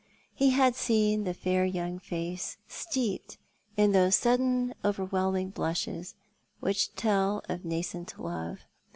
He had seen the fair young face steeped in those suddeu overwhelming blushes which tell of nascent love.